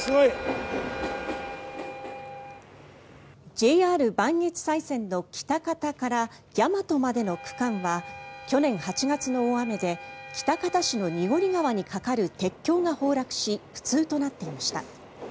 ＪＲ磐越西線の喜多方から山都までの区間は去年８月の大雨で喜多方市の濁川に架かる鉄橋が崩落し不通となっていました。